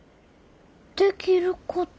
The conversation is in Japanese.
できること？